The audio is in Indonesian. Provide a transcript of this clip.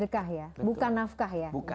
berkah ya bukan nafkah ya